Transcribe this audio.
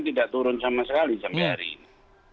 tidak turun sama sekali sampai hari ini